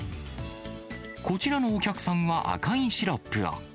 こちらのお客さんは赤いシロップを。